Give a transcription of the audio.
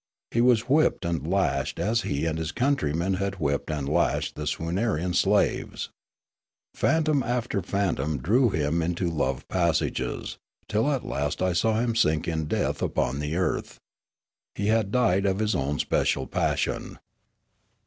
He was whipped and lashed as he and his countrymen had whipped and lashed the Swoonarian slaves. Phantom after phantom drew him into love passages, till at last I saw him sink in death upon the earth. He had died of his own special passion.